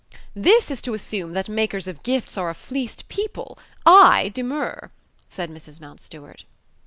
"This is to assume that makers of gifts are a fleeced people: I demur," said Mrs. Mountstuart.